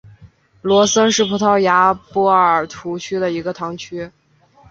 罗森是葡萄牙波尔图区的一个堂区。